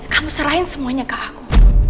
kamu serahin semuanya ke aku